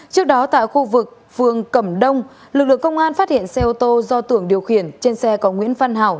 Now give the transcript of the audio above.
trước đó tại khu vực phường cẩm đông lực lượng công an phát hiện xe ô tô do tưởng điều khiển trên xe có nguyễn văn hảo